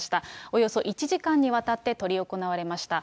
およそ１時間にわたって執り行われました。